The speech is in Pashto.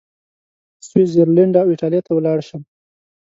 سویس زرلینډ او ایټالیې ته ولاړ شم.